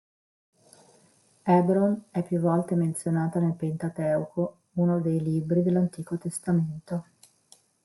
Hebron è più volte menzionata nel Pentateuco, uno dei libri dell'Antico Testamento.